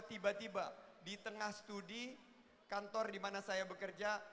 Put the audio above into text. tiba tiba di tengah studi kantor di mana saya bekerja